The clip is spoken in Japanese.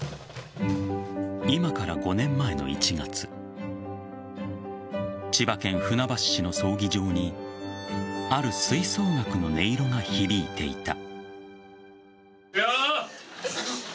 今から５年前の１月千葉県船橋市の葬儀場にある吹奏楽の音色が響いていた。